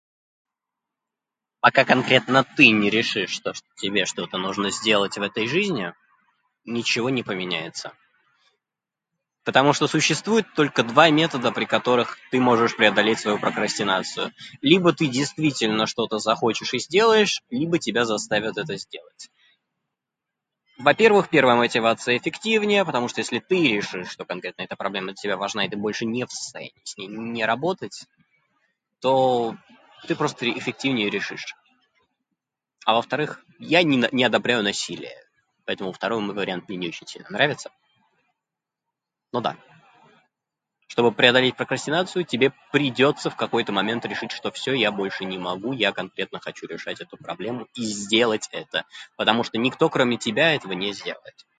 "Пока конкретно ты не решишь, что тебе нужно что-то сделать в этой жизни, ничего не поменяется. Потому что существует только два метода, при которых ты можешь преодолеть свою прокрастинацию. Либо ты действительно что-то захочешь и сделаешь, либо тебя заставят это сделать. Во-первых, первая мотивация эффективнее, потому что если ты решишь, что конкретно эта проблема тебе важна и ты больше не в состоянии с ней не работать, то-о ты просто эффективнее её решишь. А во-вторых, я не не одобряю насилие. Поэтому второй вариант мне не очень сильно нравится. Но да, чтобы преодолеть прокрастинацию тебе придётся в какой-то момент решить, что ""Всё, я больше не могу. Я конкретно хочу решать эту проблему"". И сделать это! Потому что никто, кроме тебя, этого не сделает"